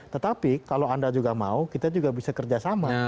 tetapi kalau anda juga mau kita juga bisa kerjasama